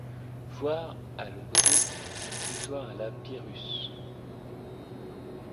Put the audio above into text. Voir, à l'opposé, une victoire à la Pyrrhus.